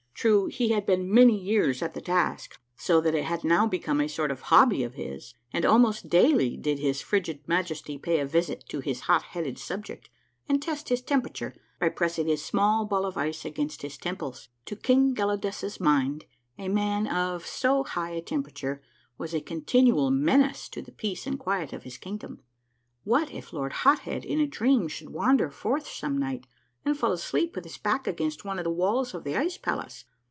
True, he had been many years at the task, so that it had now become a sort of hobby of his, and almost daily did his frigid Majesty pay a visit to his hot headed subject and test his temperature by pressing a small ball of ice against his temples. To King Gelidus' mind, a man of so high a temperature was a continual menace to the peace and quiet of his kingdom. What if Lord Hot Head in a dream should wander forth some night and fall asleep with his back against one of the walls of the ice palace